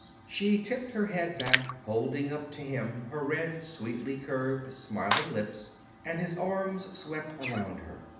She tipped her head back, holding up to him her red, sweetly curved, smiling lips, and his arms swept around her.